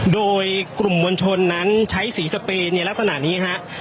โดยกลุ่มวัญชนนั้นใช้สีสเปลลงในลักษณะนี้ครับ